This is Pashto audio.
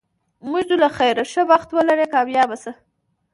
موږ ځو له خیره، ښه بخت ولرې، کامیاب شه.